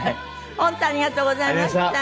本当ありがとうございました。